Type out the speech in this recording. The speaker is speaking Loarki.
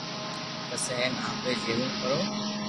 پسو ھين ايوي جاوو پرو